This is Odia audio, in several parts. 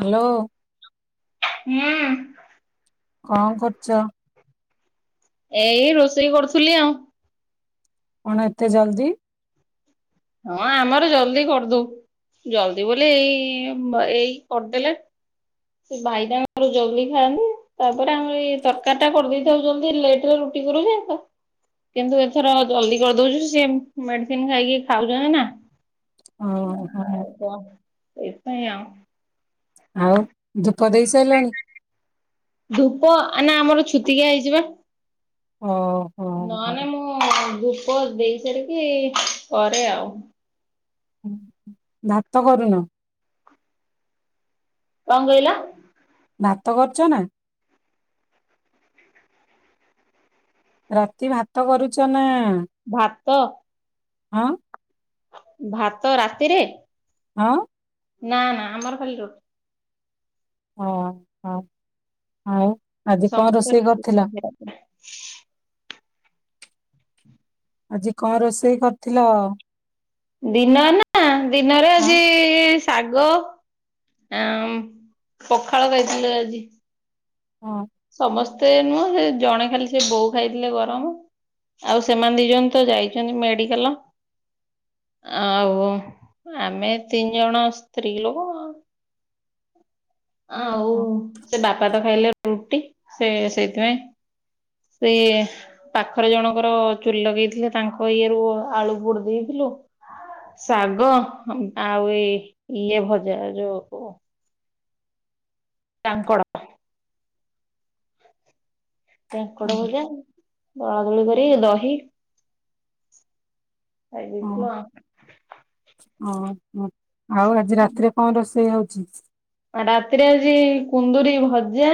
ହ୍ୟାଲୋ। ହୁଁ। କଣ କରୁଛ? ଏଇ ରୋଷେଇ କରୁଥିଲି ଆଉ। କଣ ଏତେ ଜଲଦି। ହଁ ଆମର ଜଲଦି କରିଦଉ। ଜଲଦି ବୋଲି ଏଇ ଏଇ କରିଦେଲେ ସେ ଭାଇ ତାଙ୍କର ଜଲଦି ଖାଆନ୍ତି। ତାପରେ ଆମେ ଏଇ ତରକାରୀ ଟା କରିଦେଇଥାଉ ଜଲଦି ଲେଟରେ ରୁଟି କରୁ ତ କିନ୍ତୁ ଏଥର ଜଲଦି କରିଦଉଛୁ ସେ ମେଡିସିନ ଖାଇକି ଖାଉଛନ୍ତି ନା। [unintelligible] ଓହୋ ଆଉ କଣ ସେଇ ସେଇୟା ଆଉ ଧୂପ ଦେଇ ସାରିଲଣି? ଧୂପ ନା ଆମର ଛୁତିିକିଆ ହେଇଛି ପା। ଓହୋ ନହେଲେ ମୁଁ ଧୂପ ଦେଇ ସାରିକି କରେ ଆଉ। ଭାତ କରୁନ। କଣ କହିଲ? ଭାତ କରୁଛ ନା। ରାତି ଭାତ କରୁଛ ନା। ଭାତ ହଁ। ଭାତ ରାତିରେ ହଁ। ନା ନା ଆମର ଖାଲି ରୁଟ୍ ହଁ ହଁ ହଉ ସମସ୍ତ ରୋଷେଇ [unintelligible] ଆଜି କଣ ରୋଷେଇ କରିଥିଲ? ଦିନ ନା ଦିନରେ ହଁ ଆଜି ଶାଗ ଆ ପଖାଳ ଖାଇଥିଲୁ ଆଜି ହଁ ସମସ୍ତ ମତେ ନୁହଁ ସେ ଜଣେ ଖାଲି ସେ ବୋଉ ଖାଇଥିଲେ ଗରମ ଆଉ ସେମାନେ ଦି ଜଣ ତ ଯାଇଛନ୍ତି ମେଡିକାଲ ଆଉ ଆମେ ତିନି ଜଣ ସ୍ତ୍ରୀ ଲୋକ ଆ ହଉ ହଁ ସେ ବାପା ତ ଖାଇଲେ ରୁଟି ସେ ସେଇଥିପାଇଁ ସେ ପାଖରେ ଜଣଙ୍କର ଚୁଲି ଲଗେଇଥିଲେ ତାଙ୍କ ଇଏ ରୁ ଆଳୁ ପୋଡ ଦେଇଥିଲୁ ଶାଗ ଆଉ ଏଇ ଇଏ ଭଜା ଯୋଉ କଣ କାଙ୍କଡ଼। କାଙ୍କଡ଼ ହଁ ଭଜା ବଳାବଳି ଗୁଡ଼େ ଦହି ଆଇ ହଁ ଦେଖିଲ। ହଁ ହଁ। ଆଉ ଆଜି ରାତିରେ କଣ ରୋଷେଇ ହଉ ରାତିରେ ହଉଛି କୁନ୍ଦୁରି ଭଜା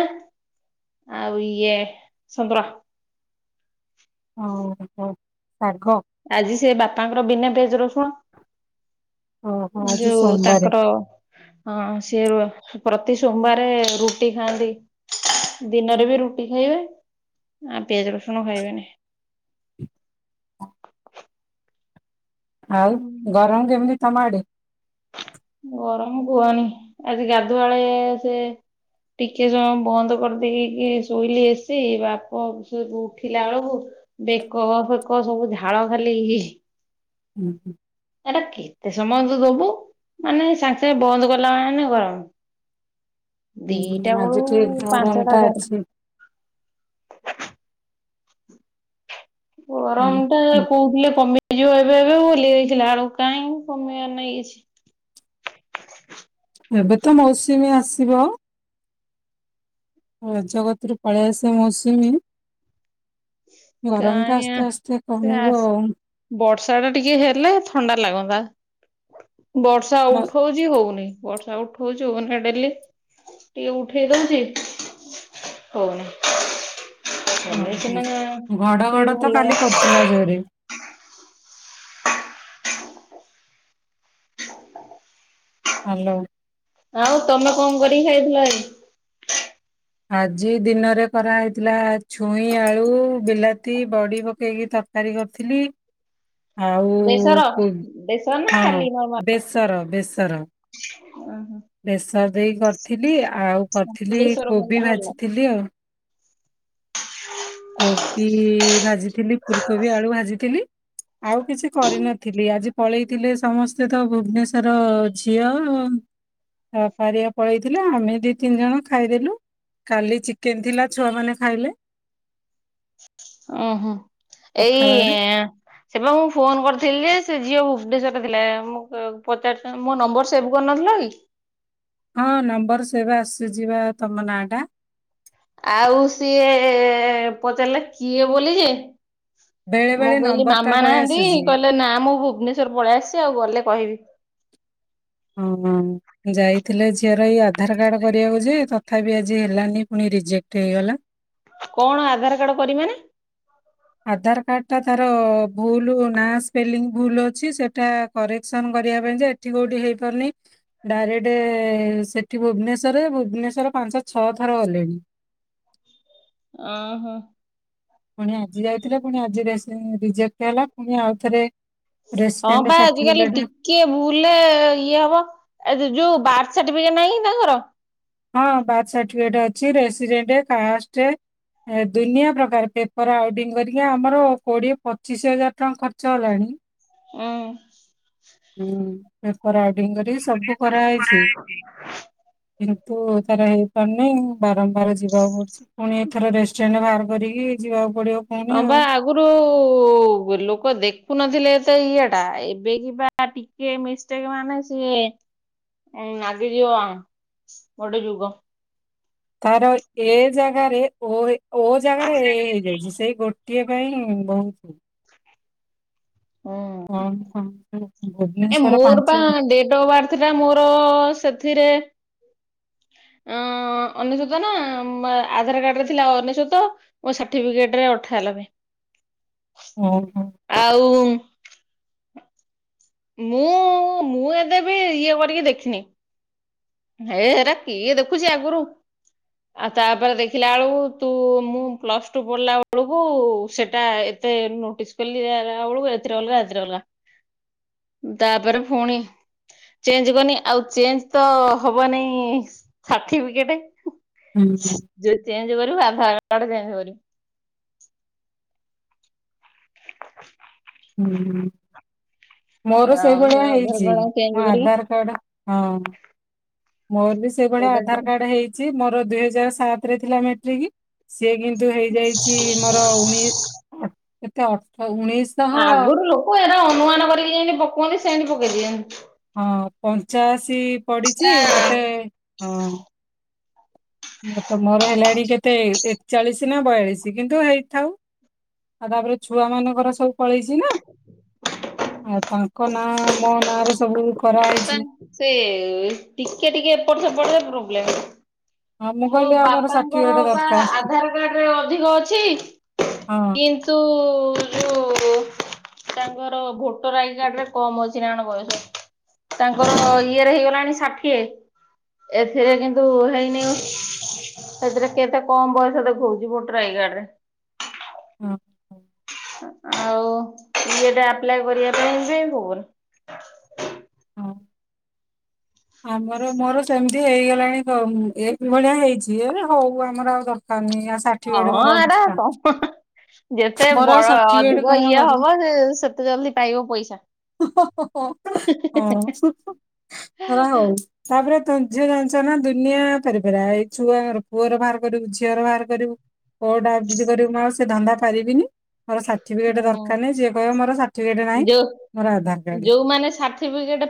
ଆଉ ଇଏ ସେମ୍ପେରା । ଓ ହୋ। ଆଜି ସେ ବାପାଙ୍କର ବିନା ପି ରସୁଣ। ଓହୋ ଆଜି ଯୋଉ ସୋମବାରେ ତାଙ୍କର ଅ ସିଏ ରୁ ପ୍ରତି ସୋମବାରେ ରୁଟି ଖାଆନ୍ତି ଦିନରେ ବି ରୁଟି ଖାଇବେ ଆ ପିଆଜ ରସୁଣ ଖାଇବେନି। ଆଉ ଗରମ କେମିତି? ତମ ଆଡ଼େ। ଗରମ କୁହନି ଆଜି ଗାଧୁଆଳେ ସେ ଟିକେ ସମୟ ବନ୍ଦ କରିଦେଇକି ଶୋଇଲି ଏସି ବାପ ଉଠିଲା ବେଳକୁ ବେକ ଫେକ ସବୁ ଝାଳ ଖାଲି। ହୁଁ ହୁଁ। କେତେ ସମୟ ତୁ ଦବୁ। ମାନେ ସାଙ୍ଗେ ସାଙ୍ଗେ ବନ୍ଦ କଲା ମାନେ ଗରମ। ହୁଁ ଦିଟା ବେଳୁ ଆଜି ଠିକ ପାଞ୍ଚଟା ଗରାମଟା ସାଢେ ଅଛି। ଗରମ ଟା ହୁଁ। କୋଉଥିଲେ କମେଇଯିବ ଏବେ ଏବେ ଭୁଲିଯାଇଥିଲା ଆଉ କାଇହିଁ କମେଇବାର ନେଇାଇ କିଛି। [inaudible] ଏବେ ତ ମୌସୁମୀ ଆସିବ। ଜଗତରୁ ପଳେଇ ଆସେ ମୌସୁମୀ ଗରମ ଟା କାହିଁ ଆସ୍ତେ ଆସି ଆସ୍ତେ ସେ କମିବ ଆଉ। ବର୍ଷା ଟା ଟିକେ ହେଲେ ଥଣ୍ଡା ଲାଗ ବା ବର୍ଷା ମ ଉଠଉଛି ହଉନି। ବର୍ଷା ଉଠଉଛୁ ହଉନା ଡେଲି ଟିକେ ଉଠେଇ ଦଉଛି [inaudible] ହଉନି। [unintelligible] ଟିକେ ଘଡଘଡ ତ ଭଲ କାଲି କରୁଥିଲା ଜୋରେ ହାଲୋ। ଆଉ ତମେ କଣ କରିକି ଖାଇଥିଲ ଏଇ ଆଜି ଦିନରେ କରାହେଇଥିଲା ଛୁଇଁ ଆଳୁ ବିଲାତି ବଡ଼ି ପକେଇକି ତରକାରୀ କରିଥିଲି। ଆଉ ବେସର ହଁ ବେସର ନା ଖାଲି ବେସର ବେସର ଓ ବେସର ଦେଇ କରିଥିଲି ଆ ଆଉ କରିଥିଲି ବେସର କଲେ କୋବି ଭଲ ଭାଜିଥିଲି ଆଉ। କୋବି ଭାଜିଥିଲି ଫୁଲକୋବି ଆଳୁ ଭାଜିଥିଲି ଆଉ କିଛି କରିନ ଥିଲି ଆଜି ପଳେଇଥିଲେ ସମସ୍ତେ ତ ଭୁବନେଶ୍ୱର ଝିଅ ହଁ ତା ବାପା ହେରିଆ ପଳେଇଥିଲେ। ଆମେ ଦି ତିନି ଜଣ ଖାଇଦେଲୁ କାଲି କେମି ଥିଲା ଛୁଆମାନେ ଖାଇଲେ। ଓ ହୋ ଏଇ ପଖାଳରେ ସେବେ ମୁଁ ଫୋନ କରିଥିଲି ଯେ ସେ ଝିଅ ଭୁବନେଶ୍ଵର ରେ ଥିଲା ପଚାର ମୋ ନମ୍ବର ସେଭ କରିନଥିଲ କି? ହଁ ନମ୍ବର ସେବେ ଆସି ଯିବା ତମ ନାଁ ଟା ଆଉ ସିଏ ପଚାରିଲା କିଏ ବୋଲି ଯେ? ବେଳେ ମୁଁ ବେଳେ କହିଲି ନମ୍ବର ଟା ମାମା ପଳେଇ ନାହାନ୍ତି ଆସୁଛି କହିଲେ ନା ମୁଁ ଭୁବନେଶ୍ଵର ପଳେଇ ଆସିଛି ଆଉ ଗଲେ କହିବି। ଅଁ ହଁ। ଯାଇଥିଲେ ଝିଅର ଏଇ ଆଧାର କାର୍ଡ କରିବାକୁ ଯେ ତଥାପି ଆଜି ହେଲାନି ପୁଣି ରିଜେକ୍ଟ ହେଇଗଲା। କଣ ଆଧାର କାର୍ଡ କରିମ ମାନେ ଆଧାର କାର୍ଡ଼ଟା ତାର ଭୁଲ ନାଁ ସ୍ପେଲିଂ ଭୁଲ ଅଛି ସେଇଟା କରେକ୍ସନ୍ କରିବା ପାଇଁ ଯେ ଏଠି କେଉଁଠି ହେଇପାରୁନି ଡାଇରେକ୍ଟ ସେଠି ଭୁବନେଶ୍ଵର ଭୁବନେଶ୍ୱର ପାଞ୍ଚହ ଛଅ ଥର ଗଲେଣି। ଓହୋ ପୁଣି ଆଜି ଯାଇଥିଲେ ପୁଣି ଆଜିରେ ରିଜେକ୍ଟ ହେଲା ପୁଣି ଆଉଥରେ ହଁ ବା। ଆଜିକାଲି ଟିକେ ଭୁଲେ ଇଏ ହବ ଏ ଯ - ଯୋଉ ବ ସାଟିଫିକେଟ ନାହିଁ ତାଙ୍କର। ହଁ ବାର୍ଥ ସାର୍ଟିଫିକେଟ ଅଛି ରେସିଡେଣ୍ଟ, କାଷ୍ଟେ ଦୁନିଆ ପ୍ରକାର ପେପର ଆଉଟିଙ୍ଗ କରିକି ଆମର କୋଡିଏ ପଚିଶି ହଜାର ଟଙ୍କା ଖର୍ଚ୍ଚ ହେଲାଣି। ହୁଁ। ହୁଁ। [unintelligible] [unintelligible] ସବୁ କରାହେଇଚି। କିନ୍ତୁ ତାର ଏ ଅନେଇ- ବାରମ୍ବାର ଯିବାକୁ ପଡୁଚି। ପୁଣି ଏଥର ରେସଟେଣ୍ଟ ବାହାରକୁ - କରିକି ଯିବାକୁ ପଡିବ ପୁଣି ହଁ ବା ଆଉ ଆଗରୁ ଲୋକ ଦେଖ ଖି ନଥିଲେ ତ ଇଏ ଟା। ଆ ଏବେ ଯିବା ଟା ଟିକେ ମିଷ୍ଟେକ ମାନେ ସିଏ ଏ ନାଗି ଯିବ ଗୋଟେ ଯୁଗ। ତାର ଏ ଜାଗାରେ ଓ- ଓ ଜାଗାରେ ଏ ହେଇଯାଇଚି ସେଇ ଗୋ ଏଥି ପାଇଁ ବହୁତ ହଁ। ହଁ, ହଁ, ହଁ। ଏ ମୋର ବା ଡେଟ୍ ଅଫ ବାର୍ଥ ଟା ମୋର ସେ ଥିରେ ଅ ଅନେସତ ନା ମା ଆଧାର କାର୍ଡରେ ଥିଲା ଅନେସତ ମୋ ସାଠିପିକେଟ ରେ ଅ ଅଠନବେ। ଓହୋ ଆଉ ମୁଁ ମୁଁ ଏବେବି ଇଏ କରିକି ଦେଖିନି। ହେ ହେରା କିଏ ଦେଖୁଚି ଆଗରୁ। ଆଉ ତାପରେ ଦେଖିଲା ବେଳକୁ ତୁ ମୁଁ ପ୍ଲସ ଟୁ ପଢିଲା ବଳକୁ ସେଟା ଏତେ ନୋଟିସ୍ କଲୀଳା ବେଳକୁ ଏଥିରେ ଅଲଗା ଏଥିରେ ଅଲଗା। ତାପରେ ଫୁଣି ଚେଞ୍ଜ କନି ଆଉ ଚେଞ୍ଜ ତ ହବନି ସାର୍ଟିଫିକେଟେ। ହୁଁ ସ ଯେ ଚେଞ୍ଜ କରିବ ଆଧାର କାଢ଼େ ଚେଁଚ କରିବି [inaudible] ହୁଁ। ମୋର ଆଉ ସେ ସେଇଭଳିଆ ଆଧାର ହେଇଚି କାର୍ଡ ମୋ ଚେଞ୍ଜ କରିକି ଆଧାର କାର୍ଡ ହଁ। ମୋର ବି ସେଇଭଳିଆ ସେଇଟା ଆଧାରକାର୍ଡ ହେଇଚି। ମୋ ମୋର ଦୁଇ ହଜାର ସାତରେ ଥିଲା ମେଟ୍ରିକ୍। ସିଏ କିନ୍ତୁ ହେଇଯାଇଚି ମୋର ଉଣେଇ ଅ କେତେ ଅର୍ଥ ଆଗରୁ ଲୋକ ଏରା ନୁଆଁ ନ କରିକି ଯେମତି ଭକୁଆମି ସେମି ପକେଇ ଦିଏ। ହଁ ପଞ୍ଚାଅଶି କି ତା ପଡିିଚି ମତେ, ହଁ। ତ ମୋର ହେଲାଣି କେତେ ଏକଚାଳିଶ ନା ବୟାଳିଶ କିନ୍ତୁ ହେଇଥାଉ। ଆଉ ତାପରେ ଛୁଆ ମାନଙ୍କର ସବୁ ପଳେଇଚି। ଆଉ ତାଙ୍କ ନାଁ ମ ନାଁରେ ସବୁ କରାହେଇଛି। ସେ ଟିକେ ଟିକେ ଏପଟ ସେପଟ ରେ ପ୍ରୋବ୍ଲେମ ହଁ ମୁଁ ମୋ କହିଲି ଆମର ବାପାଙ୍କର ସାର୍ଟିଫିକେଟ ପା ଦରକାର ଆଧାର କାର୍ଡ ରେ ଅଧିକ ଅଛି ହଁ କିନ୍ତୁ ଯୋଉ ତାଙ୍କର ଭୋଟର ଆଇ କାର୍ଡ ରେ କମ ଅଛି ନା ଆଣ ବୟସ ।ତାଙ୍କର ଇଏରେ ହେଇଗଲାଣି ଷାଠିଏ ଏଥିରେ କିନ୍ତୁ ହେଇନି ସେଥିରେ କେତେ କମ ବୟସ ଦେଖାଉଛି ଭୋଟର ଆଇ କାର୍ଡ ରେ। ହଁ। ଆଉ ଇଏ ଟା ଆପ୍ଲାଏ କରିବା ପାଇଁ ଯେ ବୁବୁନି। ହଁ। ଆମର ମୋର ସେମିତି ହେଇଗଲାଣି ଏଭଳିଆ ହେଇଛି ଏ ହଉ ଆମର ଆଉ ଦରକାର ନାହି ହଁ ଆର କ [unintelligible] ଯେତେ ମୋର ଆଉ ବଡ ସାର୍ଟିଫିକେଟ ଅଧିକ କଣ ଇଏ କରିବି ହବ ଯେ ସେତେ ଜଲଦି ପାଇବ ପଇସା। ହଁ। ହଁ ହଉ ତାପରେ ଝିଅ ଜାଣିଛ ନା ଦୁନିଆ ଫେରୀ ଫେରାଏ ଏଇ ଛୁଆର ପୁଅର ବାହାର କରିବୁ ଝିଅର ବାହାର କରିବୁ କୋଅଟା ଯ କରିବୁ ଆଉ ସେ ଧନ୍ଦା ପାରିବିନି। ମୋର ସାର୍ଟିଫିକେଟ ହଁ ଦରକାର ନାହିଁ ଯିଏ କହିବ ମୋର ସାର୍ଟିଫିକେଟ ନାହିଁ ଯଉ ମୋର ଆଧାର କାର୍ଡ ଯୋଉମାନେ ସାର୍ଟିଫିକେଟ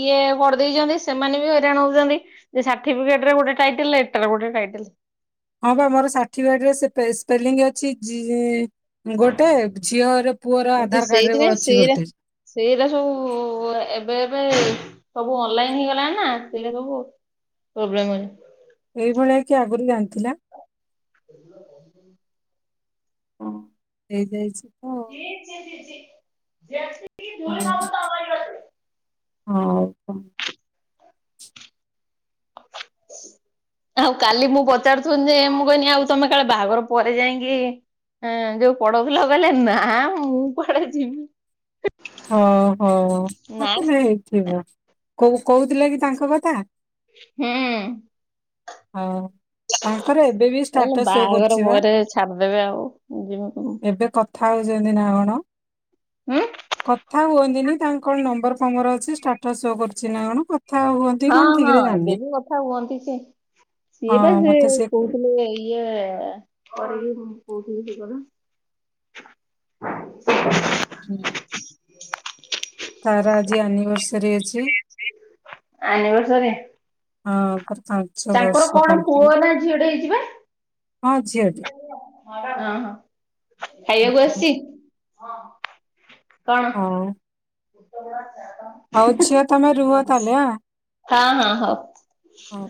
ଇଏ କରିଦେଇଛନ୍ତି। ସେମାନେ ବି ହଇରାଣ ହଉଛନ୍ତି ଯେ ସାର୍ଟିଫିକେଟରେ ଗୋଟେ ଟାଇଟେଲ ଏଇଟା ରେ ଗୋଟେ ଟାଇଟେଲ। ହଁ ବା ମୋର ଷାଠିଫିକେଟରେ ସ୍ପେଲିଂ ଅଛି ଯି ନ୍ତୁ ଆଧାର କାର୍ଡରେ ସେଇଥିପାଇଁ ଅଛି ସେଇରା ଗୋଟେ ସେଇରା ସବୁ ଏବେ ଏବେ ସବୁ ଅନଲାଇନ ହେଇଗଲା ସେରା ସବୁ ପ୍ରୋବ୍ଲ ଏଇଭଳିଆ କି ଆଗରୁ ଜାଣିଥିଲା। ହଁ ହେଇଯାଇଛି। ତ [unintelligible] ଭୁଲ ଧବ ତ ଆମ ଗ [unintelligible] ହଁ । ଆଉ କାଲି ମୁଁ ପଚାରୁଥଥିଲି ଯେ ମୁଁ କହନି ଆଉ ତମେ କାଳେ ବାହାଘର ପରେ ଯାଇକି ଯୋଉ ପଡଉଥିଲା କହିଲେ ନା ମୁଁ କୁଆଡ଼େ ଜିବୀ ହଁ ହୋ ମତେ ହେଇଥିବ [unintelligible] କ କହୁଥିଲା କି ତାଙ୍କ କଥା। ହୁଁ। ହଁ। କହିଲ ବାହାଘର କରୁଛି ବା ପରେରେ ଛାଡିଦେବେ ଯମି ଥାଉଛନ୍ତି ନା କଣ? ହୁଁ। କଥା ହୁଅନ୍ତିନି ତାଙ୍କ କଣ ନମ୍ବର ଫମ୍ବର୍ ଅଛି ଷ୍ଟାଟସ୍ ସୋ କରୁଛି ନା କଣ? କଥା ହୁଅନ୍ତି ହଁ କଣ ହଁ ଠିକ ରେ ଏବେ ଜାଣିନି। ବି କଥା ହୁଅନ୍ତି ସେ ସିଏ ବା ହଁ ମତେ ସେ କହୁଥିଲେ ଇଏ ଆ ଏଇଏ କ ଠ କ [unintelligible] ତାର ଆଜି ଆନିଭର୍ସରୀ ଅଛି। ଆନିଭର୍ସରି। ହଁ। ପାଞ୍ଚ ତାଙ୍କର ବର୍ଷ କଣ ପୁଅ କମ୍ପ୍ଲିଟ ନା ଝିଅ ଟେ ହେଇଚିପା? ହଁ ଝିଅଟି। ହଁ ହୁଁ, ଖାଇବାକୁ ଆସିଛି? ହଁ। ହଁ। ତୁ ତ ବାସ ହଉ ଝିଅ ତମେ ରୁହ ତାହଲେ ଆଁ ହଁ ହଁ ହଉ ହଉ।